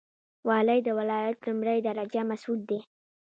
والی د ولایت لومړی درجه مسوول دی